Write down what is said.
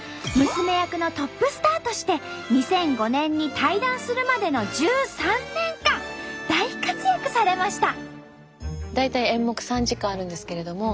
娘役のトップスターとして２００５年に退団するまでの１３年間大活躍されました！